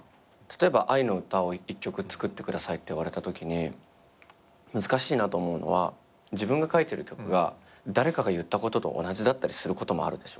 例えば愛の歌を１曲作ってくださいって言われたときに難しいなと思うのは自分が書いてる曲が誰かが言ったことと同じだったりすることもあるでしょ。